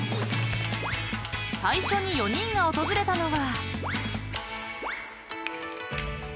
［最初に４人が訪れたのは］